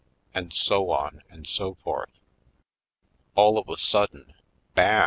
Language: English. And so on and so forth. All of a sudden — ham!